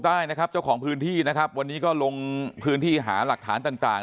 ได้นะครับเจ้าของพื้นที่นะครับวันนี้ก็ลงพื้นที่หาหลักฐานต่างต่าง